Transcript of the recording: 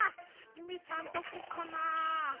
ゆめちゃんどこかなあ？